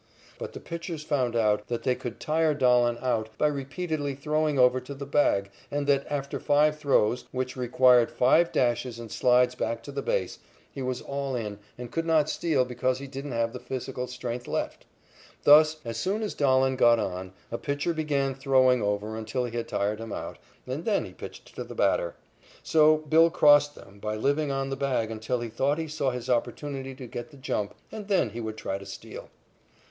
But the pitchers found out that they could tire Dahlen out by repeatedly throwing over to the bag, and that, after five throws, which required five dashes and slides back to the base, he was all in and could not steal because he didn't have the physical strength left. Thus, as soon as Dahlen got on, a pitcher began throwing over until he had him tired out, and then he pitched to the batter. So "Bill" crossed them by living on the bag until he thought he saw his opportunity to get the jump, and then he would try to steal.